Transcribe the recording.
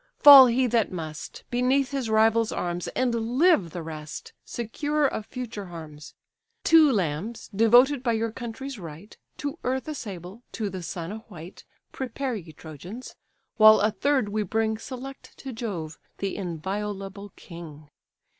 Fall he that must, beneath his rival's arms; And live the rest, secure of future harms. Two lambs, devoted by your country's rite, To earth a sable, to the sun a white, Prepare, ye Trojans! while a third we bring Select to Jove, the inviolable king.